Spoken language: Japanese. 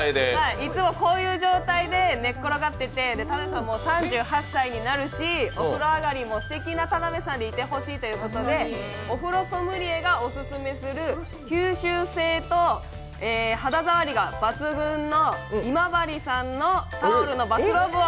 いつもこういう状態で寝っころがってて、田辺さん、もう３８歳になるし、お風呂上がりもすてきな田辺さんでいてほしいということでお風呂ソムリエが推奨する吸収性と肌触りが抜群の今治産のタオルのバスローブを。